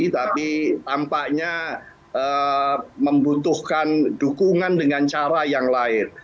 tapi tampaknya membutuhkan dukungan dengan cara yang lain